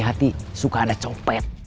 hati suka ada copet